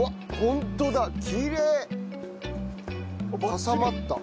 挟まった。